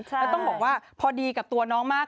แล้วต้องบอกว่าพอดีกับตัวน้องมาก